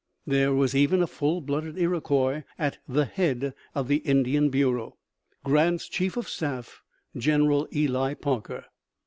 There was even a full blood Iroquois at the head of the Indian Bureau Grant's chief of staff, General Ely Parker.